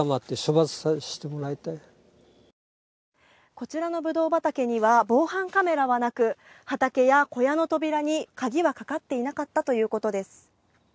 こちらのぶどう畑には防犯カメラはなく畑や小屋の扉に鍵はかかっていなかったということです。